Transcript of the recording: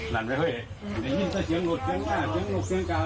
รางกาย